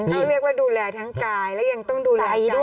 ที่เรียกว่าดูแลทั้งกายและยังต้องดูแลด้วย